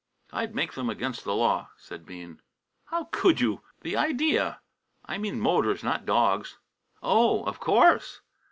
"I'd make them against the law," said Bean. "How could you? The idea!" "I mean motors, not dogs." "Oh! Of course!"